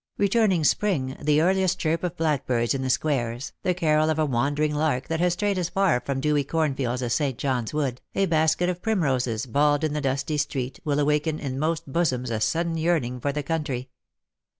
Returning spring, the earliest chirp of blackbirds in the squares, the carol of a wandering lark that has strayed as far from dewy cornfields as St. John's Wood, a basket of primroses bawled in the dusty street, will awaken in most bosoms a sudden yearning for the country.